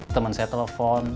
teman saya telepon